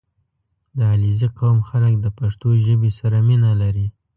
• د علیزي قوم خلک د پښتو ژبې سره مینه لري.